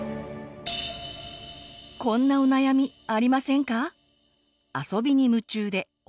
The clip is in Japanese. こんなお悩みありませんか？